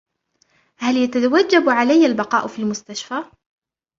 هل يتوجب علي البقاء في المستشفى ؟